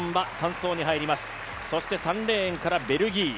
３レーンからベルギー。